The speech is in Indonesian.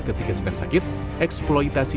ketika sedang sakit eksploitasi